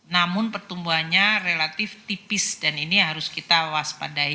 namun pertumbuhannya relatif tipis dan ini harus kita waspadai